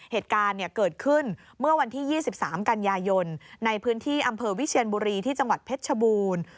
เหตุการณ์เกิดขึ้นเมื่อวันที่๒๓กันยายนในพื้นที่อำเภอวิเชียนบุรีที่จังหวัดเพชรชบูรณ์